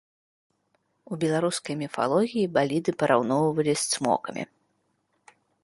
У беларускай міфалогіі баліды параўноўвалі з цмокамі.